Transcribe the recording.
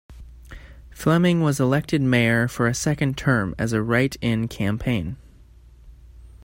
Fleming was elected mayor for a second term as a write-in campaign.